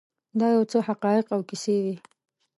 دا یو څه حقایق او کیسې وې.